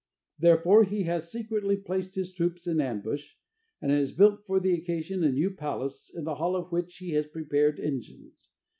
Therefore he has secretly placed his troops in ambush, and has built for the occasion a new palace, in the hall of which he has prepared engines.